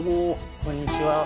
こんにちは。